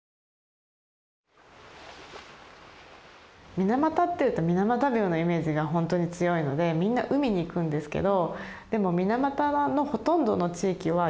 水俣っていうと水俣病のイメージがほんとに強いのでみんな海に行くんですけどでも水俣のほとんどの地域は山なんですね。